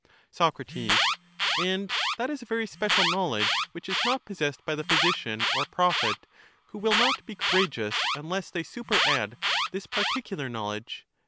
Soc, And that is a very special knowledge which is not possessed by the phj^sician or prophet, who will not be courageous unless they superadd this particular knowledge.